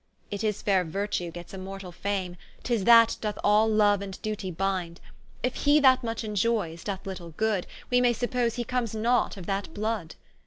It is faire virtue gets immortall fame, Tis that doth all loue and duty bind: If he that much enjoyes, doth little good, We may suppose he comes not of that blood.